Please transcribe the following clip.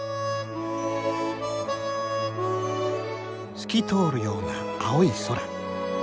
透き通るような青い空。